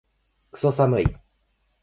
クソ寒い